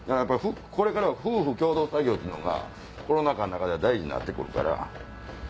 これから夫婦共同作業というのがコロナ禍では大事になって来る。